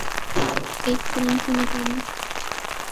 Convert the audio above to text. ایک فلم کی ناکامی